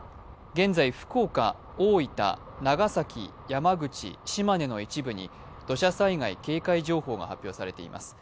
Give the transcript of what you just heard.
現在、福岡、大分、長崎、山口、島根の一部に土砂災害警戒情報が発表されています。